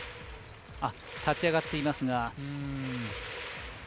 立ち上がっていますが。